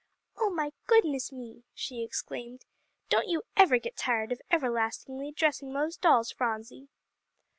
"Oh my goodness me!" she exclaimed, "don't you ever get tired of everlastingly dressing those dolls, Phronsie?"